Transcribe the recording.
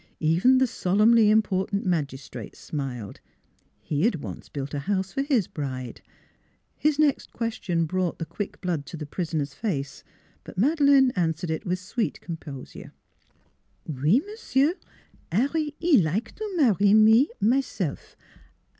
Even the solemnly important magistrate smiled. He had once built a house for his bride. His next question brought the quick blood to the prisoner's face; but Madeleine answered it with sweet composure. " Out, m'sieu', 'Arry, 'e like to marry me myself.